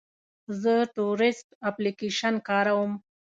زه تورسټ اپلیکیشن کاروم.